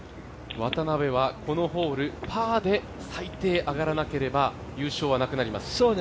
渡邉はこのホールパーで最低上がらなければ、優勝はなくなります。